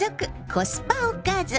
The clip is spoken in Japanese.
コスパおかず。